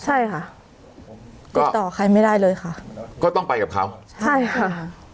ใช่ค่ะติดต่อใครไม่ได้เลยค่ะก็ต้องไปกับเขาใช่ค่ะ